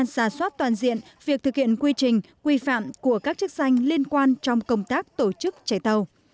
giả soát toàn diện việc thực hiện quy trình quy phạm của các chức danh liên quan trong công tác tổ chức chạy tàu